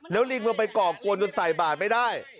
แล้วลิงมันไปก่อกวนจนใส่บาทไม่ได้